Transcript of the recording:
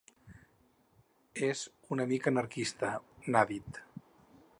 És una mica anarquista, n’ha dit.